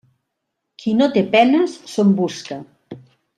Qui no té penes, se'n busca.